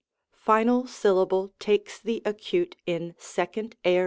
IV. Final syllable takes the acute in 2d Aor.